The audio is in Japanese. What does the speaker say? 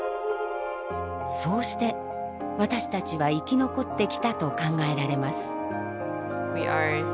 そうして私たちは生き残ってきたと考えられます。